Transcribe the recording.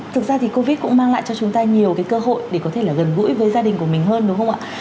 thực ra thì covid cũng mang lại cho chúng ta nhiều cái cơ hội để có thể là gần gũi với gia đình của mình hơn đúng không ạ